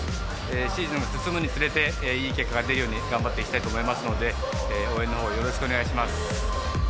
シーズン進むにつれていい結果が出るように頑張っていきたいと思いますので応援のほうよろしくお願いします。